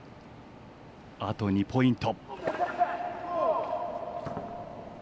あと２ポイント。